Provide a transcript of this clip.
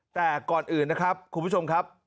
แต่ก่อนอื่นนะครับคุณผู้ชมครับ